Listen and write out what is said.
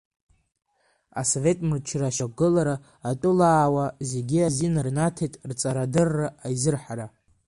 Асовет мчра ашьақәгылара атәылауаа зегьы азин рнаҭеит рҵарадырра аизырҳара.